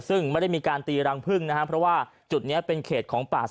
ซึ่งไม่ได้มีการตีรังพึ่ง